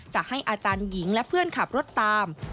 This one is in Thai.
จะให้อาจารย์หญิงและเพื่อนขับรถตาม